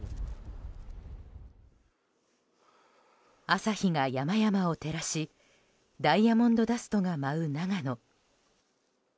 朝日が山々を照らしダイヤモンドダストが舞う長野。